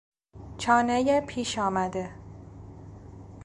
چانهی پیش آمده